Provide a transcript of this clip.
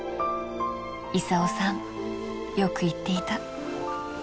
功さんよく言っていた。